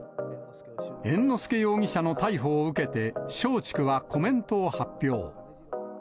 猿之助容疑者の逮捕を受けて松竹はコメントを発表。